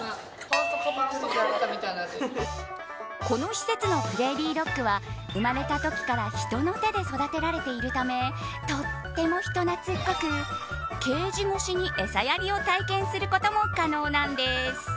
この施設のプレーリードッグは生まれたときから人の手で育てられているためとっても人懐っこくケージ越しに餌やリを体験することも可能なんです。